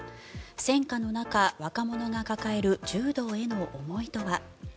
戦禍の中、若者が抱える柔道への思いとは。